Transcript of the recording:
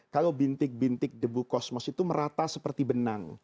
kalau bintik bintik debu kosmos itu merata seperti benang